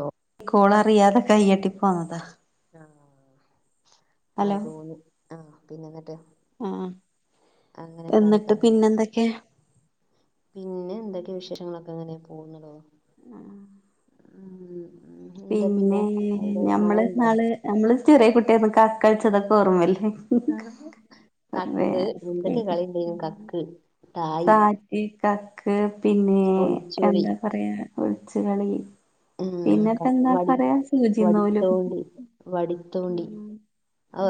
ഓ കോളറിയാതെ കൈയട്ടി പോന്നതാ ആ അത് ഹലോ തോന്നി ആ പിന്നെ ന്നിട്ട് ആ എന്നിട്ട് കഥകൾ പിന്നെന്തൊക്കെ? പിന്നെ എന്തൊക്കെ വിശേഷങ്ങളൊക്കെങ്ങനെ പോകുന്നടോ ആ ഉം എന്താ പിന്നെ അവിടെ ഞമ്മള് മഴണ്ടോ ന്നാള് നമ്മള് ചെറിയ കുട്ടി ആയപ്പൊ കക്കൾച്ചതൊക്കെ ഓർമ്മല്ലേ അത് വേ കക്ക് എന്തൊക്കെ കളിണ്ടായ്ന്നു കക്ക് തായി് ഈ കക്ക് പിന്നെ ഒളിച്ചോളി എന്താ പറയാ ഒളിച്ച് കളി ഉം പിന്നെപ്പ ക എന്താ വടി പറയാ സൂചി നൂലും വടിത്തോണ്ടി വടിത്തോണ്ടി ഉം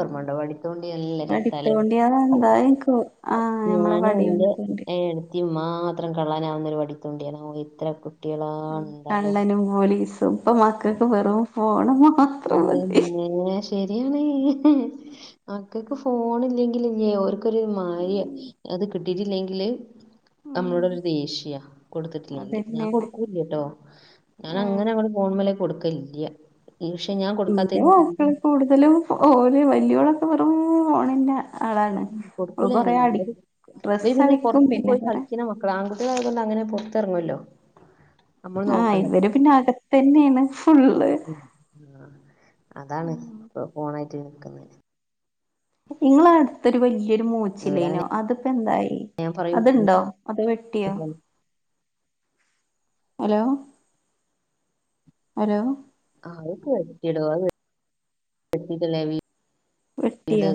ഉം വടി തോണ്ടി നല്ല രസാലേ വടിത്തോണ്ടി അതെന്താ ഇൻക്ക് ആഹ് ഞമ്മളെ ഞാനും വടിയോണ്ട് ന്റെ തോണ്ടി ഏട് തി മാത്രം കള്ളാനാവുന്ന ഒരുവടിതോണ്ടിയാണ് ഓ ഇത്രയൊക്ക് കള്ളനും പോലീസും ഇപ്പ മക്കക്ക് വെറും ഫോണ് മാത്രം മതി മ്മേ ശരിയാണേയ് മക്കക്ക് ഫോണില്ലെങ്കിലില്ലേ ഒരു ഒരു മാരിയാ ഉം അത് കിട്ടിട്ടില്ലെങ്കില് നമ്മളോടൊരു ദേഷ്യ കൊടുത്തിട്ടില്ലെങ്കില് ഞാൻ അതന്നെയാണ് കൊടുക്കൂല്ല്യ ട്ടോ ആഹ് ഞാനങ്ങനെ അങ്ങ്ട് ഫോൺമ്മല് കൊടുക്കലില്ല്യ ദേഷ്യം ഞാൻ ഇന്റെ മക്കള് കൂടുതലും ഓല് വല്യോളൊക്കെ വെറും ഫോണിന്റെ ആളാ ഉം കൊടുക്കൂലാന് നല്ലത് ഇവല് ഡ്രസ്സ് പിന്നെ അടിക്കും പൊറത്ത് പിന്നെ പോയി കൊറേ കളിക്ക്ണ മ ക്കളാങ്കുട്ട്യോളായത് കൊണ്ട് അങ്ങനെ പുറത്തിറങ്ങുവല്ലോ നമ്മള് ആ നോക്കണ്ട. ഇവര് പിന്നെ അകത്തന്നെയാണ് ഫുള്ള് ഉം. അതാണ് ഉം ഫോണേറ്റ് നിക്കുന്നെ ഇങ്ങളട് ത്തൊരു വല്ല്യൊരു ഇവരങ്ങനെ മൂച്ചില്ലയിനോ അതിപ്പോ എന്തായി ഞാൻ പറയും. അത്ണ്ടോ അത് വെട്ടിയോ ഹലോ ഹലോ അഹ് വെട്ടിയെടോ അത് വെ വെട്ടിറ്റല്ലേ വീ - വെട്ടിയോ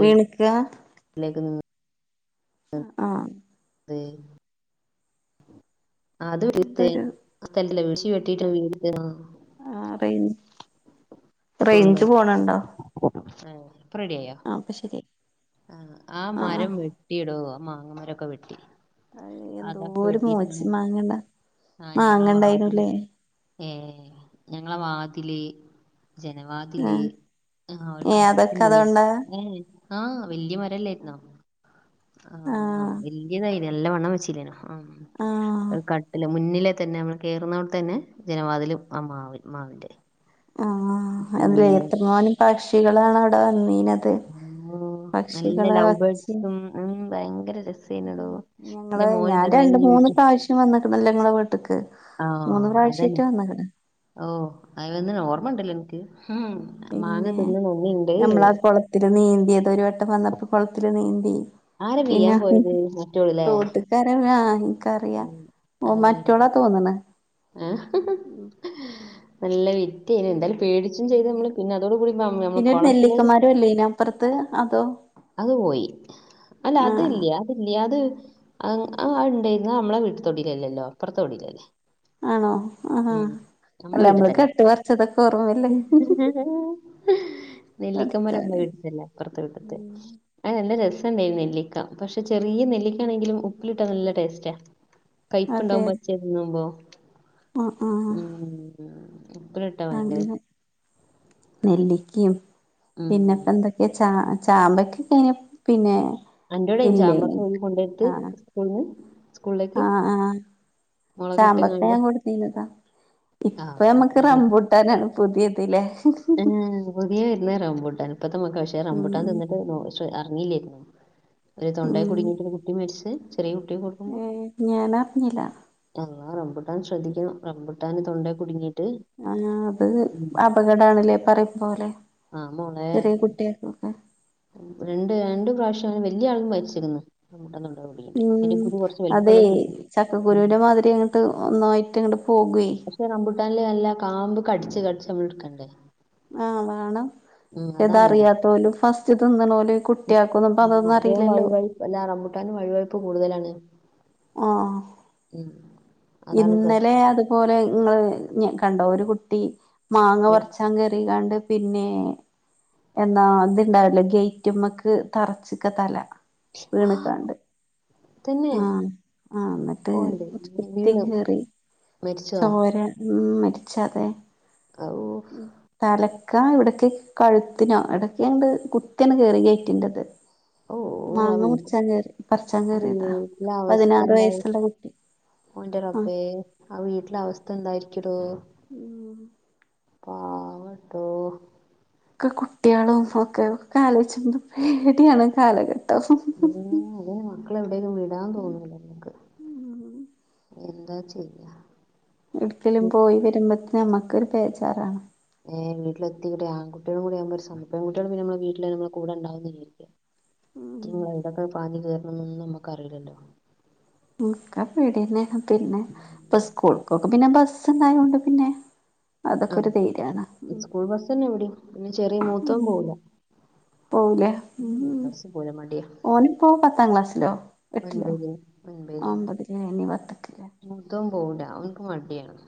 വീണ്ക്കാ ലഗ് ന്ന്‌ ആ ത് ആത് വീഴ്ത്തെ എന്തൊരു ആ സ്ഥലത്തല്ലേ മൂച്ചി വെട്ടീറ്റ വീട് വെച്ചേന് ആ റേൻ പോണ്ടോ [unintelligible] ഇപ്പോ റെഡിയായോ ആഹ് ഇപ്പൊ ശരിയായി ആ ആഹ് മരം ആഹ് വെട്ടിയെടോ മാങ്ങ മരമൊക്കെ വെട്ടി അതൊക്കെ എന്തോരു മൂച്ചി വെട്ടിട്ടാണ് മാങ്ങണ്ട മാങ്ങണ്ടായിനുല്ലേ ഏ ഞങ്ങളെ വാതില് ജനവാതില് ആഹ് ആ ഏഹ് അതൊക്കെ കട്ടില് അതോണ്ടാ ഏ ആ വല്ല്യ മ രല്ലേര്ന്നോ ആഹ് വല്ല്യതായിലെ നല്ല വണ്ണം വെച്ചീലെനോ ആ ആഹ് ഒരു കട്ടില് മുന്നിലെ തന്നെ നമ്മള് കയറുന്നിടത്തു തന്നെ ജനവാതിലും ആഹ് മാവി മാവിൻ്റെ. ആഹ് അല്ലേ എത്ര മാനം പക്ഷികളാണ് അവിടെ വന്നിന്നത്. ആഹ് നല്ല പക്ഷികളെ ലൗ ഒച്ചിം ബേർഡ്സും ഉം ഭയങ്കര രസമാ ഞങ്ങള് ഞാൻ രണ്ട് മൂന്ന് യൂട്യൂബ് പ്രാവശ്യം വന്ന്ക്ണല്ലെ നിങ്ങള വീട്ടക്ക്. മൂന്ന് ആഹ് അതന്നെ പ്രാവശ്യയിട്ട് വന്ന്ക്ക്ണ്. ഓ അതിന്ന ഓർമ്മുണ്ടല്ലോ എനിക്ക് ഉ മാങ്ങാ തിന്ന് ഓർമയുണ്ട്. ത്ത് ത് നീന്തി അത് ഒരു വട്ടം വന്നപ്പം കൊളത്തില് നീന്തി. ആരാ വീയാം പോയത് മറ്റോള് ലെ ത് രാൺന്നാ ആഹ് ഇൻക്കറിയാ ഓ ആഹ് മറ്റോളാ തോന്നണ്. ആഹ് ഹ ഹ നല്ല വിറ്റ് ന്തയാലും പേടിച്ചും ചെയ്ത് ഉം നമ്മള് പിന്നെ അതോട് കൂടി പം നമ്മള് കൊളത്തിലേക്ക്. ഇല്ല യ്നൊ പ്പർത്ത് അതോ. അത് പോയി അല്ല ആ അത് ഇല്ലയാ ല്ലിയാതെ അം ആഹ് അവ്ണ്ടെയിര്ന്നു ഔ നമ്മളെ വീട്ട് തൊടീലല്ലല്ലോ അപ്പർത്തൊടീലല്ലേ ആണോ ആഹാ അല്ല നമ്മളെ നമ്മള് വീട്ടിത്തല്ല കട്ട് പറിച്ചതൊക്കെ ഓർമ്മല്ലേ ഏഹ് നെല്ലിക്കമരം പടച്ചോനെ പോയി ഇട്ത്തില്ലേ അപ്പ ത്തെ വീട്ട്ത്തെ. ഉം അയ് നല്ല രസം ണ്ടെയിനും നെല്ലിക്ക പക്ഷെ ചെറിയ നെല്ലിക്കാണെങ്കിലും. ഉപ്പ്ലിട്ടാ നല്ല ടേസ്റ്റാ. കൈപ്പ് ണ്ടാവും അതെ പച്ചെ തിന്നുമ്പോ ആ ആ ഉം ഉപ്പിലിട്ട അങ്ങനെ നെല്ലിക്കിം ഉം പിന്നെ പ്പന്താ ഈ ചാ ചാമ്പക്ക ക്കെങ്ങിനെ പിന്നെ അൻ്റോടെയ്നി ഇല്ലേനി ചാമ്പക്ക യിന് കൊണ്ടെയെട്ത് ആ സ്കൂൾന്ന് സ്കൂൾലേക്ക്. ആ ആ ചാമ്പക്ക ഞാൻ കൊട്ത്തീനതാ. ആ ഇപ്പ ഓ യമ്മക്ക് റംബൂട്ടാനാണ് പുതിയേത് ലെ. ഏഹ് പുതിയെ വിര്ന്നാരാവും റംബുട്ടാന് ഇപ്പത്തെ മകക്ക് പക്ഷെ റംബുട്ടാൻ ഉം തിന്നിട്ട് നോ ക്ഷെ അർഞ്ഞില്ലേ ഒരു തൊണ്ടേ ഉം കുടുങ്ങീട്ട് ഒരു കുട്ടി മെരിച്ചെ ചെറീയെ കുട്ടിയേക്ക് കൊട്ക്കും മ്പം ഞാനറിഞ്ഞില്ല അഹ് ആഹ് റംബുട്ടാൻ ശ്രദ്ധിക്കണം റംബുട്ടാന് തൊണ്ടെ കുടുങ്ങിയിട്ട്. ആഹ് അത് ഉം. അപകടാണ് ല്ലേ പറയും പോലെ ആ മോളെ ചെറിയ കുട്ടിയെക്കൊക്കെ. രണ്ട് രണ്ട് പ്രാവശ്യം ങ്ങനെ വല്ലിയ ആളും മരിച്ചിക്ക് ന്ന് റംബൂട്ടാന് തോളോ കുടിങ്ങിട്. ഉം അതെയ് ചക്കക്കുരുവിന്റെ മാതിരി ങ്ങട്ട് ഒന്നായിട്ട് ങ്ങട്ട് പോകുയ് പക്ഷ റംബൂട്ടാൻല് കാമ്പ് കടിച്ച് കടിച്ച് നമ്മള് ഇട്ക്കണ്ടെ? ആഹ് വേണം ശെ അതാണ് തറിയാത്തോലും ഫസ്റ്റ് തിന്ന്ണോല്. കുട്ടിയാക്കൊന്നും പ്പതൊന്നും അറിയില്ലല്ലോ. വല്ലാ റംബുട്ടാനും വഴുവഴുപ്പ് കൂടുതലാണ്. ആഹ് ഉം അതാണ് ഇന്നലെ പ്രശ്നം അത് പോലെ ഇങ്ങള് ഞ കണ്ടോ ഒരു കുട്ടീ. മാങ്ങ ഏ, പർച്ചാൻ കേറിങ്ങണ്ട്. പിന്നെ എന്താ ത്ണ്ടാവില്ലേ ഗേറ്റ്മ്മക്ക് തറച്ച്ക്കാ തല. വീണ്ക്കാണ്ട് തന്നെ ആഹ് ആഹ് ന്നട്ട് ഓ എന്റെ ചോ ദൈവമേ, കുത്തി വീണു കേറി മരിച്ചോ ചോര ഉം മര്ച്ചാതെ ഔ, തല ക്കാ എവിടക്ക് കഴുത്തിനോ എടക്കെങ്ങണ്ട് കുത്തിയണ്ണ് കേറി ഗേറ്റിൻ്റത്. ഓ ആ മാങ്ങ വീട്ടിൽ പറിച്ചാൻ ആ കേറിയതാ പതിനാറ് വയസ്സ്ള്ള കുട്ടി ഔ ന്റെ ആഹ് റബ്ബേ ആ വീട്ട്ലെ അവസ്ഥ എന്തായിരിക്കും ല്ലെ ഉം പാവം ണ്ടോഹ് കുട്ടിയളും ഒക്കെ ആലോയ്ച്ചബോ പേടിയാണ് കാലഘട്ടം അതന്നെ മക്കളെ എവിടെം വിടാൻ തോന്നൂല നമ്മക്ക് ഉം എന്താ ചെയ്യാ എട്ക്കേലും ഉം. പോയി വരുമ്പത്ത്നെ യമ്മക്കൊരു ബേജാറാണ് ഏഹ് വീട്ടിലെത്തിങ്ങട്ട് ആൺകുട്ടിളും കൂടിയാവുംമ്പ ഒര് സം പെൺകുട്ടിള് പിന്നെ നമ്മളെ വീട്ടില് നമ്മളെ കൂടെ ണ്ടാവും ചെയും. ഉം റ്റിങ്ങള് ഏടെക്കെ പാഞ്ഞി കേർണം ന്നൊന്നും നമ്മക്ക്റീലല്ലോ ക്ക പേടിന്നെ പിന്നെ പ്പ സ്കൂൾക്കൊക്കെ പിന്നെ ബസ്ണ്ടായോണ്ട് പിന്നെ അതൊക്കെ ഒരു ധൈര്യാണ് ആഹ് സ്കൂൾ ബസ്സ്ന്നെ യിവിടിം പിന്നെ ചെറിയ മൂത്തോൻ പോവൂല പോവൂലേ ഉം ബസ് പോവാൻ മടിയ ഓനിപ്പോ പത്താം ക്ലാസ്സിലോ എട്ടിലോ ഒൻപയില് അമ്പതില് ഇനി പത്തക്കില്ലേ പുറത്തൊന്നും പോവൂല്ല അവൻക്ക് മടിയാണ്.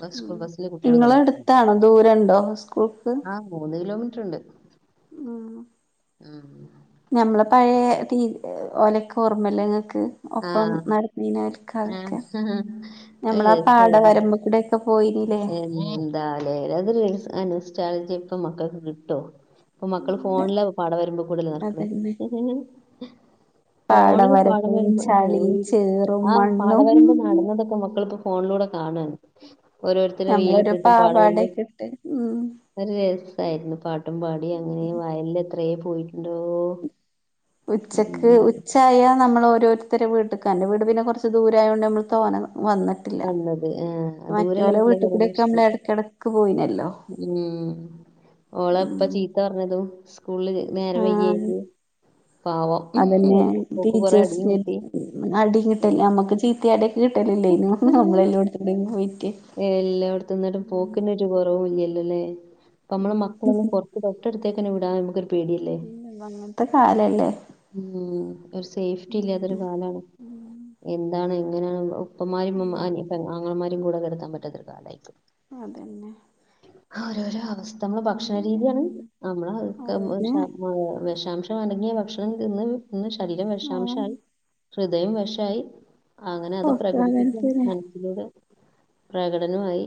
ബസ് സ്കൂൾ ബസ്സില് കുട്ടികള് നിങ്ങള കളിയാക്കും എടുത്താണോ ദൂരണ്ടോ സ്കൂൾക്ക്? ആ മൂന്ന് കിലോമീറ്റർ ഉണ്ട്. മ് ഉം ഞമ്മള പഴയ തീ ഒലക്ക് ഓർമ്മല്ലങ്ങക്ക് ഒപ്പം ആഹ് നടന്നിന ഓല്ലോക്കെ ആഹ് അത് ഞമ്മളാ പാട രസായിരുന്നു വരമ്പോ കൂടെ ഒക്കെ പോയിന്നില്ലേ? എന്താലേ അത അനുസ്ട്രളജി ഇപ്പൊ മക്കൾക്ക് കിട്ടോ? ഇപ്പൊ മക്കൾ ഇല്ല ഫോണില് പാടം വരുമ്പോ കൂടുതൽ നിർക്കണേ അതന്നെ ഫോണിൽ പാടം പാടവരമ്പും വരുമ്പോ ചളിയും ചേറും ആ മണ്ണും പാടം വരുമ്പോ നടന്നതൊക്കെ മക്കള ഇപ്പോ ഫോണിലൂടെ കാണൻ ഓരോരുത്തരും വീയിൽ ഞമ്മളൊരു ഇട്ടിട്ടും പാടകണ്ട് പാവാടയൊക്കെ ഇട്ട് ഉം ഒരു രസായിരുന്നു പാട്ടും പാടി അങ്ങനെ വയലിൽ എത്രയ പോയിട്ടുണ്ടോ ഉച്ചക്ക് ഉം പക്ഷായ നമ്മൾ ഓരോരുത്തരെ വീട്ടടുക്കാൻ് വീട്നന്ന കുറച്ച് ദൂരമായായത്ണ്ട് നമ്മൾ തോന്ന വന്നിട്ട് വന്നത് ആഹ ദൂരെള്ള വീട്ടിലേക്ക് വന്നെൻ കൂടെക്കെ നമ്മൾ ശേഷം എടക്കെടക്ക് പോയിനല്ലോ ഓളെ ഇപ്പ ഉം ചീത്ത പറഞ്ഞതും സ്കൂളില് നേരെ വൈകിൻ ആഹ് അതന്നെ പാവംഓൾക്ക് കൊറ അടിയും ടീച്ചേഴ്സിന് കിട്ടി. അടി കിട്ടല നമ്മുക്ക് ചീത്തിയും അടിയ്യൊക്കെ കിട്ടൽ ഇല്ലാനിയോ നമ്മളെല്ലാം ഏല്ല അവിടത്തന്നിട്ടും പോക്കുന്ന ഒരു കുറവ ഇല്ലല്ലോല്ലേ അപ്പ നമ്മള ഉം മക്കളൊന്നും ഡോക്ടർത്തേക്കെ വിടാം ഇ അങ്ങനത്തെ കാലല്ലേ ഉം ഒരു സേഫ്റ്റി ഉം ഇല്ലാത്തരു കാലമാണ് ഉം എന്താണ് എങ്ങനെയാണ് ഉപ്പന്മാരും അങ്ങനെയൊക്കെ ആങ്ങൾമാരും കൂടെക്കെ കിടക്കാൻ പാറ്റതൊരു കാലയിപ്പോയി അതന്നെ ഓരോരോ അവസ്ഥ നമ്മള് പിന്നെ ഭക്ഷണരീതിയാണ് നമ്മള് അതന്നെ ആ വിഷാംശം അടങ്ങിയ ഭക്ഷണം ഇന്ന് ഇന്ന് ശരീരം ആഹ് വിഷാംശമായി ഹൃദയം വഷായി അങ്ങനെ അത് ഒക്കെ പ്രകടിപ്പിക്കൻ അങ്ങനെത്തന്നെ മനസ്സിലൂടെ പ്രകടനമായി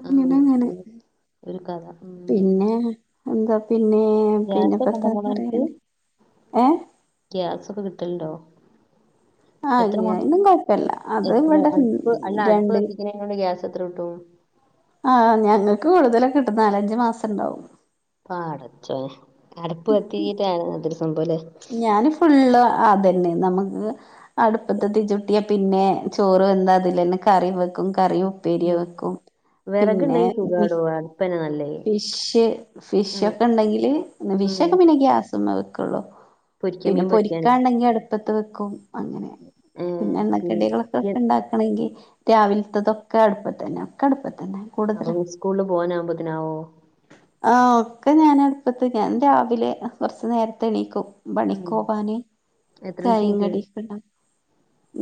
ആങ്ങനങ്ങനെ അങ്ങനെ ഒരു കഥ ഉം പിന്നെ എന്താ പിന്നെ ഗ്യാസൊക്കെ ഉണ്ടോ മോളെ പറയ ഏ ഗ്യാസ് ഒക്കെ കിട്ടലുണ്ടോ? എത്ര ആഹ് അയിനും കൊഴപ്പല്ല അത് എത്ര ഇവിടെ അടുപ്പ് അല്ല അടുപ്പ് രണ്ട് കത്തിക്കുന്നോണ്ട് ഗ്യാസ് എത്ര കിട്ടും. ആഹ് ഞങ്ങൾക്ക് കൂടുതലൊക്കെ കിട്ടും നാല് അഞ്ച് മാസം ഉണ്ടാവും. ആഹ് പടച്ചോനേ അടപ്പ് കത്തിക്കീട്ടാണ് അതൊരു സംഭവ അല്ലേ. ഞാന് ഫുള്ള് അതന്നെ നമുക്ക്. അടുപ്പത്ത് തീ ചുട്ടിയാ പിന്നെ ചോറ് വെന്താ അതിലന്നെ കറി വെക്കും കറിയും ഉം വിറകുണ്ടെങ്കി മി സുഖാടോ അടുപ്പ് തന്നെയാ നല്ലത്. ഫിഷ് ഫിഷ് ഒക്കെ ഉണ്ടെങ്കില് ഉം ഫിഷൊക്കെ പിന്നെ ഗ്യാസുമ്മേ വെക്കുള്ളു. പൊരിക്കാൻ പിന്നെ മീൻ പൊരിക്കാന് പൊരിക്കാണ്ടെങ്കി അടുപ്പത്ത് വെക്കും അങ്ങനെ ഏഹ് പിന്നെ അപ്പൊ എണ്ണക്കടികളൊക്കെ ഈ- ഈ- ഉണ്ടാക്കും. ആണെങ്കിൽ രാവിലത്തെതൊക്കെ അടുപ്പത്ത് തന്നെ ഒക്കെ അടുപ്പത്ത് തന്നെ. അപ്പ സ്കൂളിൽ പോകാൻ ആകുമ്പത്തേന് ആകുവോ? ആഹ് ഒക്കെ ഞാൻ അടുപ്പത്തെ ഞാൻ രാവിലെ കുറച്ചു നേരത്തെ എണീക്കും. ഉം പണിക്കു പോവാന് എത്ര മണിക്ക് ചായോ എണീക്കും കടിയും ഒക്കെ ഉണ്ടാക്കണം.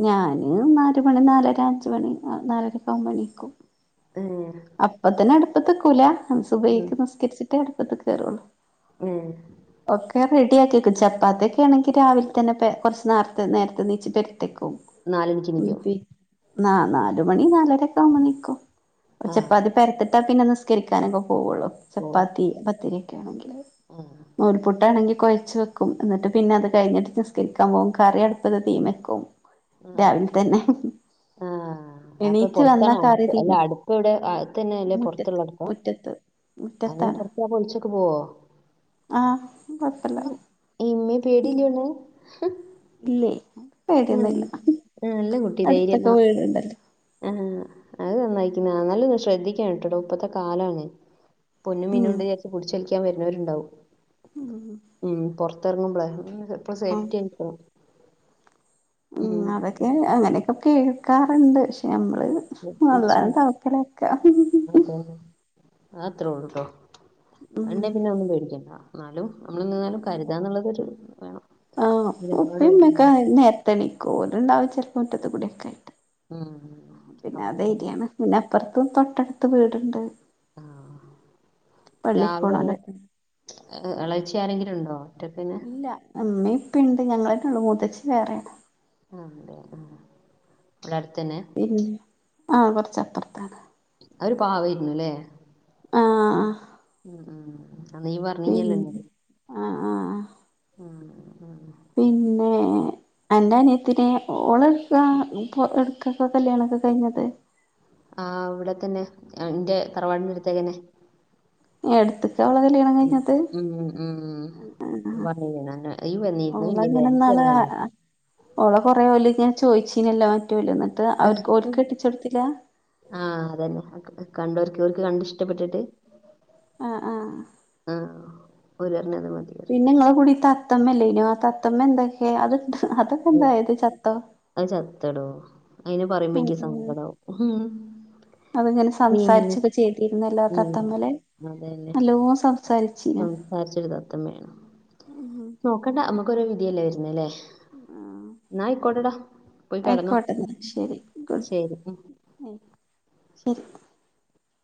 ഞാന് നാല് മണി നാല് അര അഞ്ച് മണി നാല് അരയ്ക്ക് മുമ്പ് എണിക്കും. ഏഹ് അപ്പ തന്നെ അടുപ്പത്ത് നീക്കൂല ഉം സുബയ്ക്ക് നിസ്കരിച്ചിട്ടേ അടുപ്പത്ത്ക്ക് കയറുള്ളൂ. ഉം. ഒക്കെ റെഡി ആക്കി വയ്ക്കും ചപ്പാത്തിയ ഒക്കെ ആണെങ്കിൽ രാവിലെ തന്നെ കുറച്ച് നേരത്തെ നേരത്തെ എന്നീച്ച് പെരുത്തി വയ്ക്കും. നാലണിക്ക് എണീക്കും ന നാലുമണി നാല് അരയൊക്കെ ആവുമ്പോ എനിക്കും ആഹ് ചപ്പാത്തി പെരത്തിട്ടാ പിന്നെ നിസ്കരിക്കാനൊക്കെ പോവ്വോള്ളൂ ചപ്പാത്തി, പത്തിരിയൊക്കെ ആണെങ്കില്. ഉം. നൂൽപ്പുട്ടാണെങ്കിൽ കൊഴച്ച് വെക്കും എന്നിട്ട് പിന്നെ അത് കഴിഞ്ഞിട്ട് നിസ്കരിക്കാൻ പോകും കറി അടുപ്പത്ത് തീയിമ്മേവയ്ക്കും. ആഹ് രാവിൽ തന്നെ. ആഹ് അപ്പൊ എണീറ്റ് പൊറത്താണ് വന്ന കറി അടുപ്പ് അല്ല തീയിമ്മേ വയ്ക്കും അടുപ്പ് ഇവിടെ അടുത്ത് തന്നെയല്ലേ മുറ്റത്ത് പൊറത്തുള്ള അടുപ്പാ മുറ്റത്ത്. അങ്ങനെ മുറ്റത്താണ് പുറത്തക്ക് ഒഴിച്ചോക്കെ പോവോ. ആഹ് കൊഴപ്പല്ല ഇമ്മേ പേടീല്ല്യല്ലോ. ഇല്ലേ ഇപ്പ പേടിയൊന്നുയില്ല ഉം, നല്ല കുട്ടി ധൈര്യം അടുത്തൊക്കെ വീടുണ്ടല്ലോ. ആഹ് അത് നന്നായിക്കണ് എന്നാലും ശ്രദ്ധിക്കണം കേട്ടോടൊ ഇപ്പത്തെ കാലമാണ്. പൊന്നും മിന്നും ഉം ഉണ്ടു വിചാരിച്ചു പിടിച്ചു വലിക്കാൻ വരുന്നവരുണ്ടാവും ഉം പൊറത് ത്തിറങ്ങുമ്പളെ ഇപ്പോളും ആഹ് സേഫ്റ്റി ആയിക്കോ. ഉം അതൊക്കെ അങ്ങനൊക്കെ കേൾക്കാറുണ്ട് പക്ഷെ നമ്മള് ശ്രദ്ധിച്ചോ അള്ളാനെ തൗഫാലാക്കാം. അതന്നെ അത് അത്രേ ഉള്ളുട്ടോ ഉം അതൊണ്ടേ പിന്നെ ഒന്നും പേടിക്കണ്ടാ. എന്നാലും നമ്മളെന്നാലും കരുതാനുള്ളതൊരു വേണം. ആഹ് ഉപ്പേ നിലപാട് ഉമ്മേ ഒക്കെ വേണം. നേരത്തെ എണിക്കും ഓര് ഉണ്ടാവും ചെലപ്പം മുറ്റത്ത് കുടിയൊക്കെ ആയിട്ട്. ഉം പിന്നെ അപ്പൊ ആ ധൈര്യയാണ് പിന്നെ അപ്പുറത്തു തൊട്ടടുത്ത് വീടുണ്ട്. ഉം രാവിലെങ്ങു പള്ളിക്കോണോലൊക്കെ എളേച്ചി ആരെങ്കിലും ഉണ്ടോ ഒറ്റക്കന്നെ? ഇല്ല ഉമ്മേ ഉപ്പേ ഉണ്ട് ഞങ്ങളൊന്നെയുള്ളു മൂത്തച്ചി വേറെയാണ്. ഉണ്ട് ആഹ് ഇവിടെ അടുത്തന്നെയാ? ഉം ആഹ് കൊറച്ച് അപ്പറത്താണ്. അവര് പാവായിരുന്നുല്ലേ? ആഹ് ആഹ്. ഉം. ആഹ് നീ പറഞ്ഞു. ഉം ആഹ്. ഉം ഉം അന്റെ അനിയത്തിന് ഓള എടുക്കാ ഈ എടക്കൊക്കെ കല്യാണൊക്കെ കഴിഞ്ഞത്. ആ ഇവിടെതന്നെ എന്റെ തറവാടിനടുത്തേക്കന്നെ. ഏടുത്തക്ക അവളെ കല്ല്യാണം കഴിഞ്ഞത്? വ ഈ വന്നിരുന്നു ഇല്ലല്ലേ എനക്ക് ഓള കൊറേ പോല ഞാൻ ചോദിച്ചീനല്ല മറ്റോര്എന്നിട്ട് അവർ ഓര്ക്ക് കെട്ടിച്ചെടുത്തില്ല ആ അതന്നെ കണ്ടവർക്കൊക്കെ കണ്ടിഷ്ടപ്പെട്ടിട്ട് ആ ആ ആ ഓരുപറഞ് അത് മതി. നിങ്ങളെ കൂടി തത്തമ്മല്ലേനു, ആ തത്തമ്മ എന്തൊക്കെ അത് അതൊക്കെ എന്തായത് ചത്തോ? അത് ചത്തടോ അയിന് പറയുമ്പോക്ക് എൻക്ക് സങ്കടാവും ഉം അത്ങ്ങനെ പിന്നെ സംസാരിച്ചൊക്കെ ചെയ്തിരുന്നല്ലേ ആ ഉം തത്തമ്മെല്ലേ, നല്ലോണം സംസാരിച്ച സംസാരിച്ച ഒരു തത്തമ്മയാണ്, ഉം നോക്കണ്ട നമക്കൊരോ വിധിയല്ലേ വരുന്ന അല്ലേ? ആഹ് എന്നായിക്കോട്ടെടാ പോയി കെടന്നോ. ആയിക്കോട്ടെന്നാ ശരി ഉം ഉം ശരി.